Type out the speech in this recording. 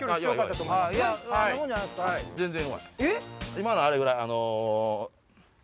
今のはあれぐらい。